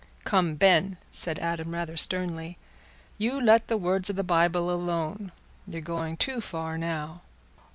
"Come, Ben," said Adam, rather sternly, "you let the words o' the Bible alone; you're going too far now."